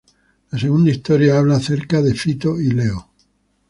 La segunda historia habla acerca de Fito y Leo.